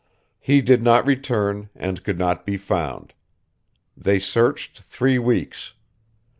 He did not return, and could not be found. They searched three weeks.